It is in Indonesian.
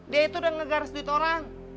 dia itu udah ngegaras duit orang